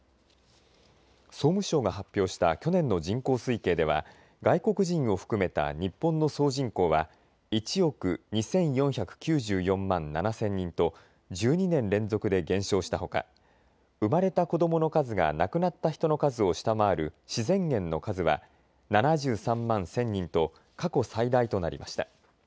総務省が発表した去年の人口推計では外国人を含めた日本の総人口は１億２４９４万７０００人と１２年連続で減少したほか生まれた子どもの数が亡くなった人の数を下回る自然減の数は７３万１０００人と過去最大となりました。